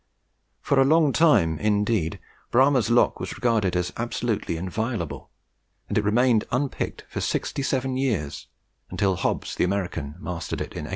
For a long time, indeed, Bramah's lock was regarded as absolutely inviolable, and it remained unpicked for sixty seven years until Hobbs the American mastered it in 1851.